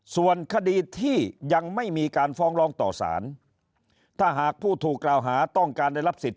ส่วนคดีที่ยังไม่มีการฟ้องร้องต่อสารถ้าหากผู้ถูกกล่าวหาต้องการได้รับสิทธิ